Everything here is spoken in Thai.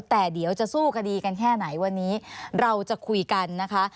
แต่เดี๋ยวจะสู้คดีกันแค่ไหนวันนี้เราจะคุยกันนะคะ